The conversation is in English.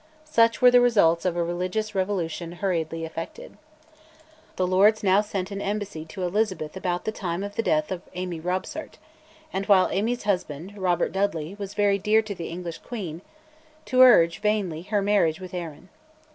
Such were the results of a religious revolution hurriedly effected. The Lords now sent an embassy to Elizabeth about the time of the death of Amy Robsart, and while Amy's husband, Robert Dudley, was very dear to the English queen, to urge, vainly, her marriage with Arran.